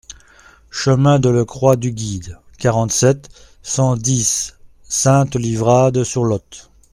Chemin de le Croix du Guide, quarante-sept, cent dix Sainte-Livrade-sur-Lot